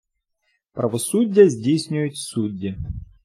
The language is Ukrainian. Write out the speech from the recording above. Правосуддя здійснюють судді.